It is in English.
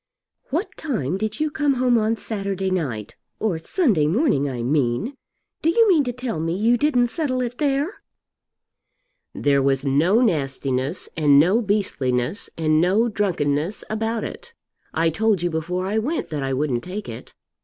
"What time did you come home on Saturday night; or Sunday morning I mean? Do you mean to tell me you didn't settle it there?" "There was no nastiness, and no beastliness, and no drunkenness about it. I told you before I went that I wouldn't take it."